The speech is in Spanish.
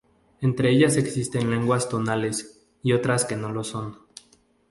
Entre ellas existen lenguas tonales y otras que no lo son.